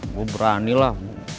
gue berani lah